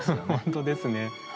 本当ですね。